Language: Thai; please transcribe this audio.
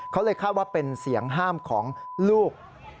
เขาเลยคาดว่าเป็นเสียงห้ามของลูก